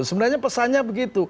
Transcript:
sebenarnya pesannya begitu